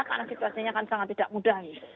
karena situasinya kan sangat tidak mudah